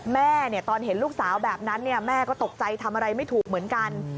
แม่ตอนเห็นลูกสาวแบบนั้นแม่ก็ตกใจทำอะไรไม่ถูกเหมือนกัน